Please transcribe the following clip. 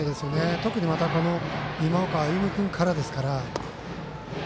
特に今岡歩夢君からですから。